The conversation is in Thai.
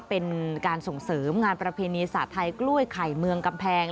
เป็นการส่งเสริมงานประเพณีศาสตร์ไทยกล้วยไข่เมืองกำแพง